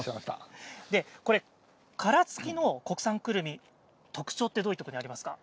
これ、殻付きの国産くるみ、特徴ってどういうところにありますか。